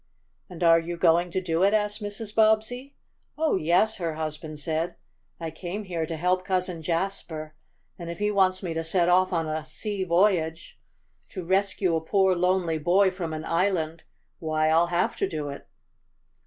"And are you going to do it?" asked Mrs. Bobbsey. "Oh, yes," her husband said. "I came here to help Cousin Jasper, and if he wants me to set off on a sea voyage to rescue a poor lonely boy from an island, why I'll have to do it."